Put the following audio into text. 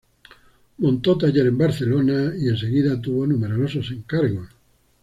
Montó taller en Barcelona y enseguida tuvo numerosos encargos.